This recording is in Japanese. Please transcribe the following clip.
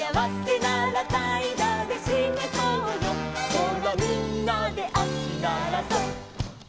「ほらみんなで足ならそう」